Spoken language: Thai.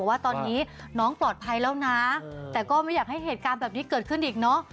ว่าตอนนี้น้องปลอดภัยแล้วนะแต่ก็ไม่อยากให้เหตุการณ์แบบนี้เกิดขึ้นอีกเนอะ